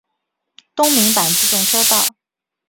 东名阪自动车道。